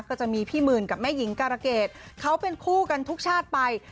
ก็จะมีพี่หมื่นกับแม่หญิงการะเกดเขาเป็นคู่กันทุกชาติไป